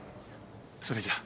それじゃあ。